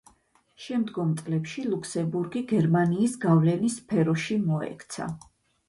შემდგომ წლებში ლუქსემბურგი გერმანიის გავლენის სფეროში მოექცა.